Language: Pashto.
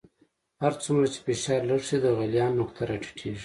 هر څومره چې فشار لږ شي د غلیان نقطه را ټیټیږي.